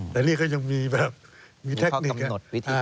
แต่นี่ก็ยังมีแบบมีเทคนิคมีข้อกำหนดวิธีการ